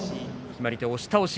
決まり手、押し倒し。